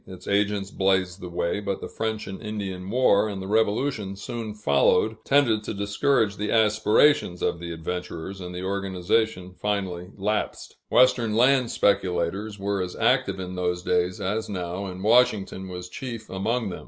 Its agents blazed the way, but the French and Indian War, and the Revolution soon following, tended to discourage the aspirations of the adventurers, and the organization finally lapsed. Western land speculators were as active in those days as now, and Washington was chief among them.